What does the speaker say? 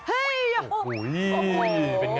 เอ้ยโอ้โห